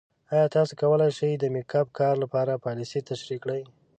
ایا تاسو کولی شئ د میک اپ کار لپاره پالیسۍ تشریح کړئ؟